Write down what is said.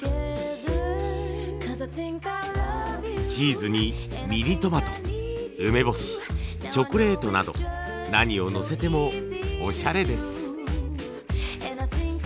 チーズにミニトマト梅干しチョコレートなど何をのせてもオシャレです。